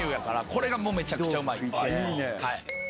これがめちゃくちゃうまい。